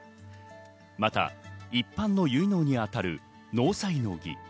また一般の結納に当たる納采の儀。